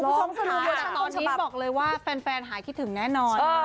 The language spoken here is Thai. ตอนนี้บอกเลยว่าแฟนหายคิดถึงแน่นอน